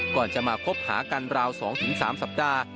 ก่อนจะมาคบหากันราว๒๓สัปดาห์